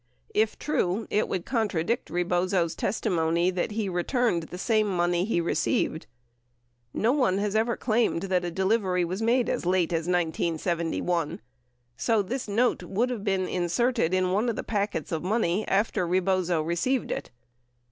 If true, it would contradict Rebozo's testimony that he returned the same money he received. No one has ever claimed that a delivery was made as late as 1971, so this note would have been inserted in one of the packets of money after Rebozo received it.